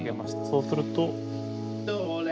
そうすると。